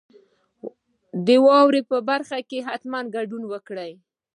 د واورئ برخه کې حتما ګډون وکړئ.